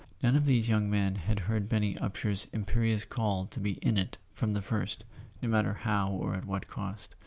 None of these young men had heard Benny Upsher's imperious call to be "in it" from the first, no mat¬ ter how or at what cost.